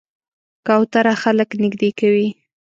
کوتره خلک نږدې کوي.